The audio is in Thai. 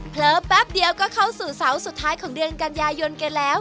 เพลิกแป๊บเดียวก็เข้าสู่เสาร์สุดท้ายของเวลาการยายนต์เกดแล้ว